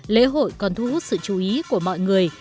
lễ hội còn thu hút sự chú ý của mọi người